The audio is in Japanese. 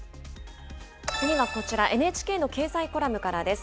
次はこちら、ＮＨＫの経済コラムからです。